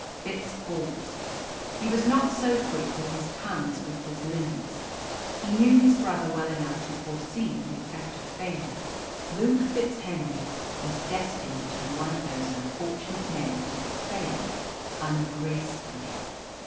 Fitz paused. He was not so quick with his tongue as with his limbs. He knew his brother well enough to foresee the effect of failure. Luke FitzHenry was destined to be one of those unfortunate men who fail ungracefully.